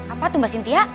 apa tuh mbak cynthia